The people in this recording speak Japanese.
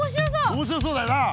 面白そうだよな。